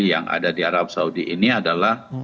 yang ada di arab saudi ini adalah